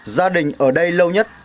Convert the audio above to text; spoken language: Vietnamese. gia đình ở đây lâu nhất